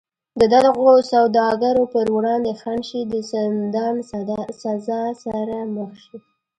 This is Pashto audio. د دغو سوداګرو پر وړاندې خنډ شي د زندان سزا سره مخ شي.